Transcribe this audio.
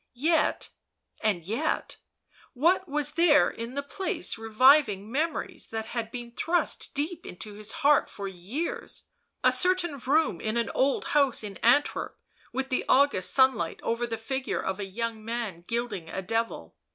Yet — and yet — what was there in the place reviving memories that had been thrust deep into his heart for years ... a certain room in an old house in Antwerp with the August sunlight over the figure of a young man gilding a devil